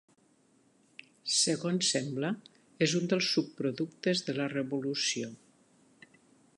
Segons sembla, és un dels subproductes de la revolució.